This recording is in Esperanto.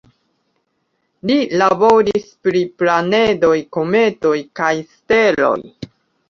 Li laboris pri planedoj, kometoj kaj steloj.